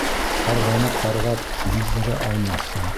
Ҡарғаны ҡарғап биҙҙерә алмаҫһың.